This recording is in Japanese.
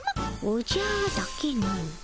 「おじゃ」だけの。